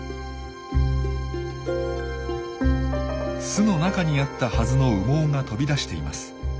巣の中にあったはずの羽毛が飛び出しています。